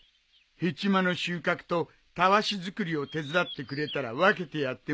ヘチマの収穫とたわし作りを手伝ってくれたら分けてやってもいいよ。